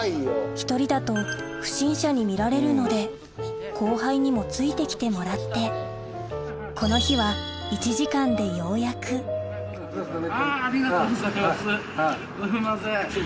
１人だと不審者に見られるので後輩にもついて来てもらってこの日はすいません。